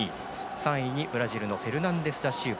３位にブラジルのフェルナンデスダシウバ。